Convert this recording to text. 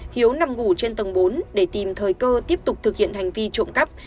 hiếu nằm ngủ trên tầng bốn để tìm thời cơ tiếp tục thực hiện hành vi trộm cắp